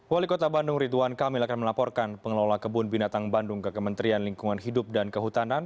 wali kota bandung ridwan kamil akan melaporkan pengelola kebun binatang bandung ke kementerian lingkungan hidup dan kehutanan